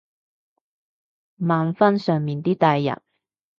問返上面啲大人